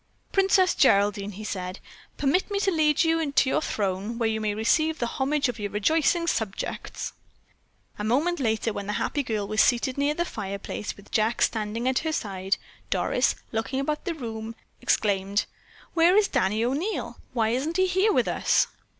"Princess Geraldine," he said, "permit me to lead you to your throne, where you may receive the homage of your rejoicing subjects." A moment later, when the happy girl was seated near the fireplace, with Jack standing at her side, Doris, looking about the group, exclaimed: "Where is Danny O'Neil? Why isn't he here with us?"